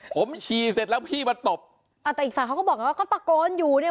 ผมฉี่เสร็จแล้วพี่มาตบอ่าแต่อีกฝั่งเขาก็บอกไงว่าก็ตะโกนอยู่เนี่ย